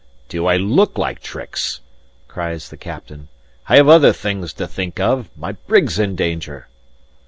"Do I look like tricks?" cries the captain. "I have other things to think of my brig's in danger!"